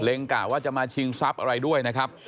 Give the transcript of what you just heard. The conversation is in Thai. กะว่าจะมาชิงทรัพย์อะไรด้วยนะครับ